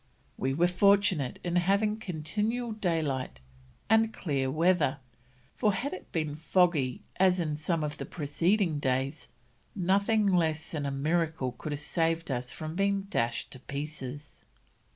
"We were fortunate in having continual daylight, and clear weather, for had it been foggy as on some of the preceding days, nothing less than a miracle could have saved us from being dashed to pieces."